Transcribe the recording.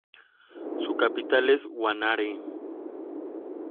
Su capital es Guanare.